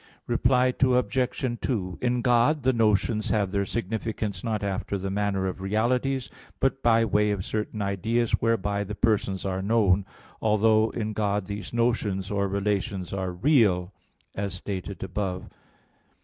Reply Obj. 2: In God the notions have their significance not after the manner of realities, but by way of certain ideas whereby the persons are known; although in God these notions or relations are real, as stated above (Q.